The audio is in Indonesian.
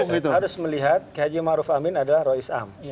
kita harus melihat khadjim arif amin adalah rois am